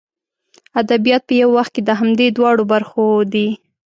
ادبیات په یو وخت کې د همدې دواړو برخو دي.